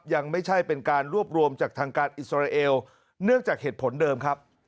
ยังไม่ใช่เป็นการรวบรวมจากทางการอิสราเอลเนื่องจากเหตุผลเดิมครับ